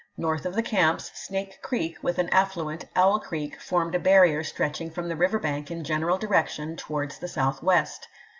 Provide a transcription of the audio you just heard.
North of the camps. Snake Creek with an affluent. Owl Creek, formed a barrier stretching from the river bank in general direction towards the southwest.